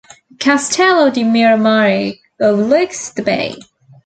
The Castello di Miramare overlooks the Bay.